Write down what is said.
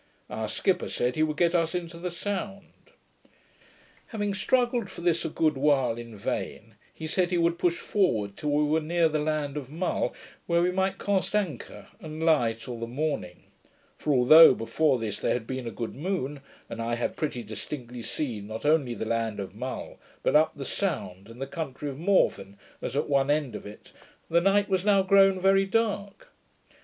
Our skipper said, he would get us into the Sound. Having struggled for this a good while in vain, he said, he would push forward till we were near the land of Mull, where we might cast anchor, and lie till the morning; for although, before this, there had been a good moon, and I had pretty distinctly seen not only the land of Mull, but up the Sound, and the country of Morven as at one end of it, the night was now grown very dark.